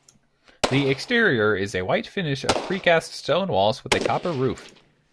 The exterior is a white finish of pre-cast stone walls with a copper roof.